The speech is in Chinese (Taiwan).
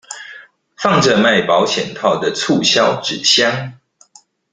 放著賣保險套的促銷紙箱